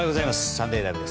「サンデーＬＩＶＥ！！」